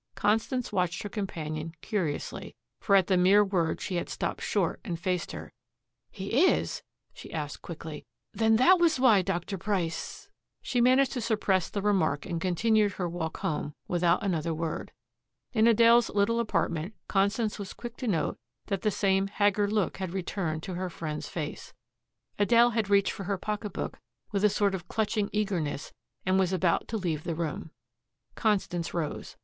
Constance watched her companion curiously, for at the mere word she had stopped short and faced her. "He is?" she asked quickly. "Then that was why Dr. Price " She managed to suppress the remark and continued her walk home without another word. In Adele's little apartment Constance was quick to note that the same haggard look had returned to her friend's face. Adele had reached for her pocketbook with a sort of clutching eagerness and was about to leave the room. Constance rose.